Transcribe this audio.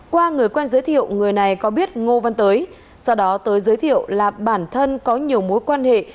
qua người quen giới thiệu người này có biết ngô văn tới sau đó tới giới thiệu là bản thân có nhiều mối quan hệ